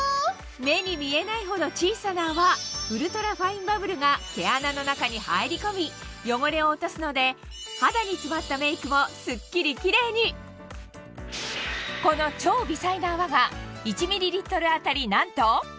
目に見えないほど小さな泡ウルトラファインバブルが毛穴の中に入り込み汚れを落とすので肌に詰まったメイクもすっきりキレイにこの超微細な泡がも出ているんです